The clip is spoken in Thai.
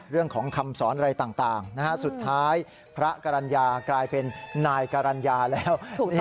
เรื่องของคำสอนอะไรต่างสุดท้ายพระกรรณญากลายเป็นนายกรรณญาแล้ว